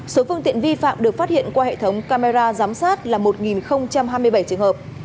số phương tiện vi phạm được phát hiện qua hệ thống camera giám sát là một hai mươi bảy trường hợp